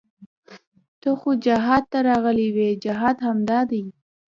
ته خو جهاد ته راغلى وې جهاد همدا دى.